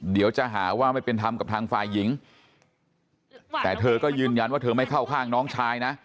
เดี๋ยวจะหาว่าไม่เป็นธรรมกับทางฝ่ายหญิงแต่เธอก็ยืนยันว่าเธอไม่เข้าข้างน้องชายนะ